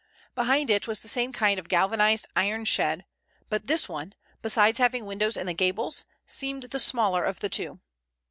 Behind it was the same kind of galvanized iron shed, but this one, besides having windows in the gables, seemed the smaller of the two.